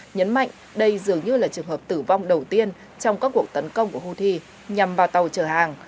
nhấn mạnh đây dường như là trường hợp tử vong đầu tiên trong các cuộc tấn công của houthi nhằm vào tàu chở hàng